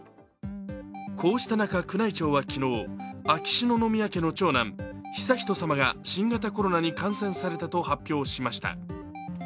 こうした中、宮内庁は昨日秋篠宮家の長男、悠仁さまが新型コロナに感染されたと発表しました。